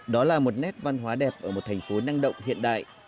đó là một nét văn hóa đẹp ở một thành phố năng động hiện đại